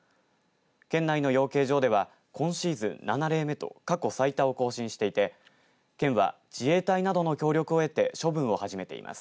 県内の養鶏場では今シーズン７例目と過去最多を更新していて、県は自衛隊などの協力を得て処分を始めています。